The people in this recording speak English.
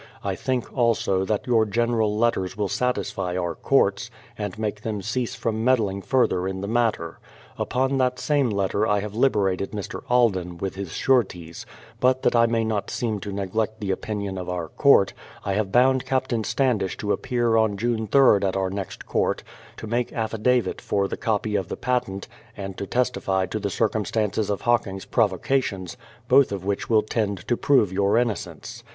I think, also, that your general letters will satisfy our courts, and make them cease from meddhng further in the matter. Upon that same letter I have hberated Mr. Alden, with his sureties; but that I may not seem to neglect the opinion of our court, I have bound Captain Standish to appear on June 3rd at our next court, to make affidavit for the copy of the patent and to testify to the circumstances of Hocking's provoca tions, both of which will tend to prove your innocence.